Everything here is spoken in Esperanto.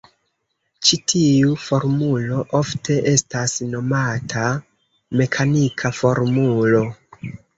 Ĉi tiu formulo ofte estas nomata mekanika formulo.